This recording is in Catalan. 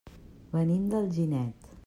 Venim d'Alginet.